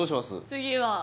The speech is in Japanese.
次は？